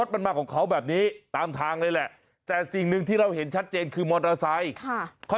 ที่เราเห็นชัดเจนคือมอเตอร์ไซค์